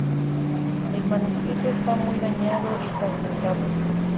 El manuscrito está muy dañado y fragmentado.